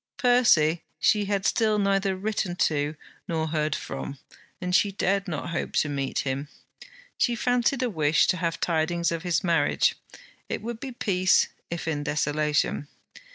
Percy she had still neither written to nor heard from, and she dared not hope to meet him. She fancied a wish to have tidings of his marriage: it would be peace; if in desolation.